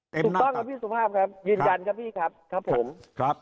ถูกต้องครับพี่สุภาพครับยืนกันครับพี่ครับ